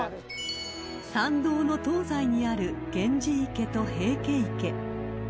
［参道の東西にある源氏池と平家池］